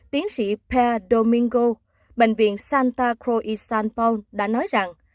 tiến sĩ per domingo bệnh viện santa cruz san paolo đã nói rằng